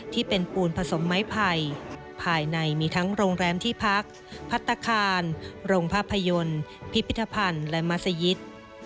ที่เป็นปูนผสมไม้ไผ่ภายในมีทั้งโรงแรมที่พักพัฒนาคารโรงภาพยนตร์พิพิธภัณฑ์และมัศยิต